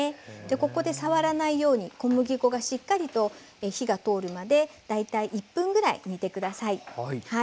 ここで触らないように小麦粉がしっかりと火が通るまで大体１分ぐらい煮て下さい。